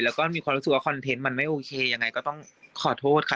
แล้วก็มีความรู้สึกว่าคอนเทนต์มันไม่โอเคยังไงก็ต้องขอโทษค่ะ